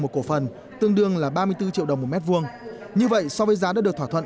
một cổ phần tương đương là ba mươi bốn triệu đồng một mét vuông như vậy so với giá đã được thỏa thuận